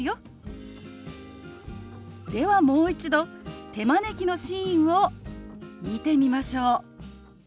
ではもう一度手招きのシーンを見てみましょう。